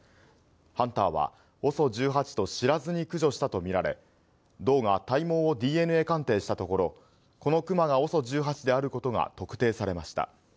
ハンターはＯＳＯ１８と知らずに駆除したとみられ、道が体毛をＤＮＡ鑑定したところ、このクマがＯＳＯ１８であることが特定されました。